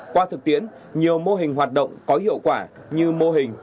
qua thực tiễn nhiều mô hình hoạt động có hiệu quả như mô hình